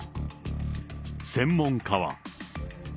専門家は。